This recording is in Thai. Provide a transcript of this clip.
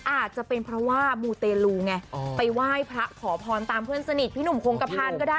อาจจะเป็นเพราะว่ามูเตลูไงไปไหว้พระขอพรตามเพื่อนสนิทพี่หนุ่มคงกระพานก็ได้